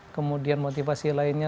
kemudian motivasi lainnya